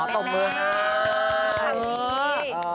คุณผู้ชมดี